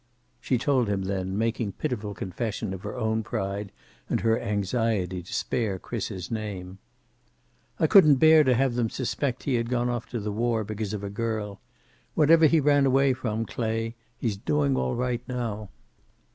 She told him then, making pitiful confession of her own pride and her anxiety to spare Chris's name. "I couldn't bear to have them suspect he had gone to the war because of a girl. Whatever he ran away from, Clay, he's doing all right now."